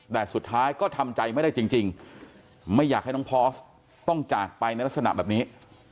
แต่สุดท้ายก็ทำใจไม่ได้จริงไม่อยากให้น้องพอสต้องจากไปในลักษณะแบบนี้